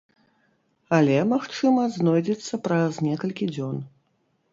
Але, магчыма, знойдзецца праз некалькі дзён.